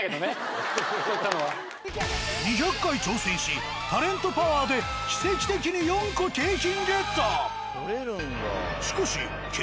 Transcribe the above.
２００回挑戦しタレントパワーで奇跡的に４個景品ゲット。